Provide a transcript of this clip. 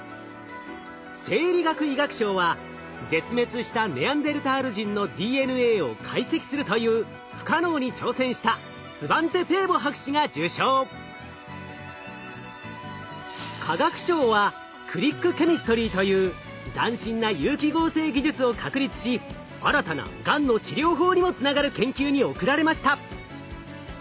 生理学・医学賞は絶滅したネアンデルタール人のＤＮＡを解析するという不可能に挑戦した化学賞は「クリックケミストリー」という斬新な有機合成技術を確立し新たながんの治療法にもつながる研究に贈られました。